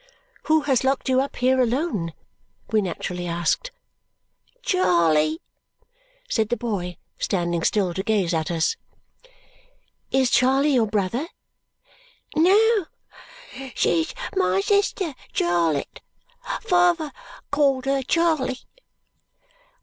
"Who has locked you up here alone?" we naturally asked. "Charley," said the boy, standing still to gaze at us. "Is Charley your brother?" "No. She's my sister, Charlotte. Father called her Charley."